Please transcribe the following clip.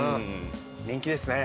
人気ですね